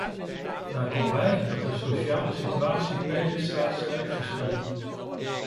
Daar komt bij dat de sociale situatie per lidstaat sterk verschilt.